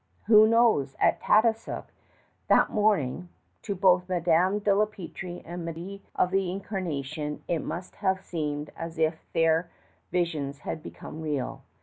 ... Who knows? At Tadoussac, that morning, to both Madame de la Peltrie and Marie of the Incarnation it must have seemed as if their visions had become real.